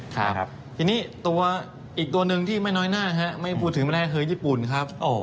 ทีนี้ตัวอีกตัวหนึ่งที่ไม่น้อยหน้าไม่พูดถึงไม่ได้คือญี่ปุ่นครับ